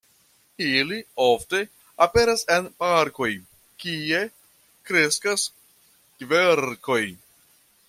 Ili ofte aperas en parkoj, kie kreskas kverkoj.